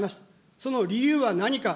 その理由は何か。